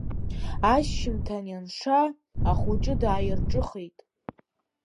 Ашьжьымҭан ианша, ахәыҷы дааирҿыхеит.